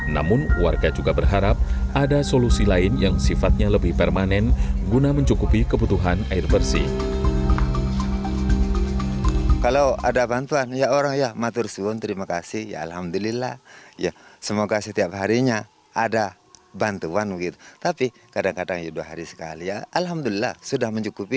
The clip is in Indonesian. namun warga juga berharap ada solusi lain yang sifatnya lebih permanen guna mencukupi kebutuhan air bersih